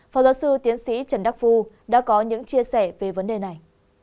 phó giáo sư tiến sĩ trần đắc phu đã có những chia sẻ về vấn đề này